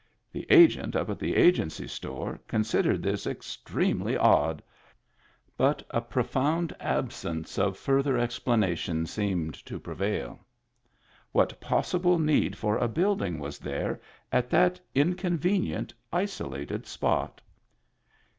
The Agent up at the Agency store considered this extremely odd. But a profound absence of further explanations seemed to prevail. What possible need for a building was there at that inconvenient, isolated spot?